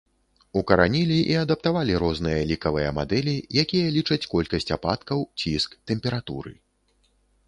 Укаранілі і адаптавалі розныя лікавыя мадэлі, якія лічаць колькасць ападкаў, ціск, тэмпературы.